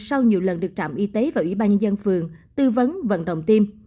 sau nhiều lần được trạm y tế và ủy ban nhân dân phường tư vấn vận động tiêm